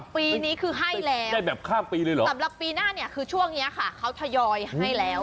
ปีนี้คือให้แล้วสำหรับปีหน้าเนี่ยคือช่วงนี้ค่ะเขาทยอยให้แล้ว